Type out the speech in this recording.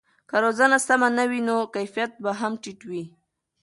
که روزنه سمه نه وي نو کیفیت به هم ټیټ وي.